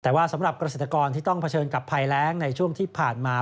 แต่ว่าสำหรับเกษตรกรที่ต้องเผชิญกับภัยแรงในช่วงที่ผ่านมา